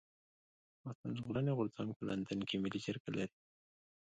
پښتون ژغورني غورځنګ په لندن کي ملي جرګه لري.